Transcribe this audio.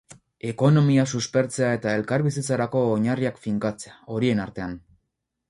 Ekonomia suspertzea eta elkarbizitzarako oinarriak finkatzea, horien artean.